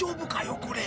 これ。